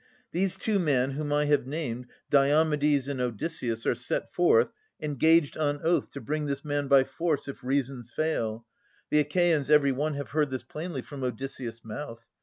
These two men whom I have named, Diomedes and Odysseus, are set forth Engaged on oath to bring this man by force If reasons fail. The Achaeans every one Have heard this plainly from Odysseus' mouth.